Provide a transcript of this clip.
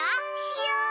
しよう！